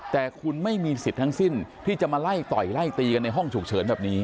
แต่คุณไม่มีสิทธิ์ทั้งสิ้นที่จะมาไล่ต่อยไล่ตีกันในห้องฉุกเฉินแบบนี้